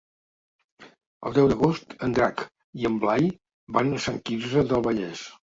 El deu d'agost en Drac i en Blai van a Sant Quirze del Vallès.